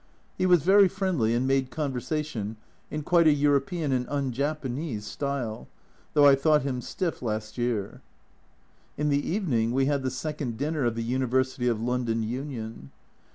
He was very friendly and "made con A Journal from Japan 245 versation " in quite a European and un Japanese style, though I thought him stiff last year. In the evening we had the second dinner of the University of London Union.